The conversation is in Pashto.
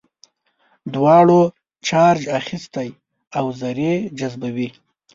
دواړو چارج اخیستی او ذرې جذبوي.